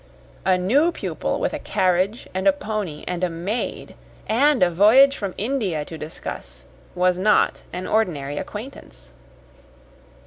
A new pupil with a carriage and a pony and a maid, and a voyage from India to discuss, was not an ordinary acquaintance.